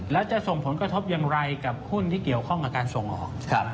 แล้วจะส่งผลกระทบอย่างไรกับหุ้นที่เกี่ยวข้องกับการส่งออก